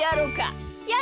やる！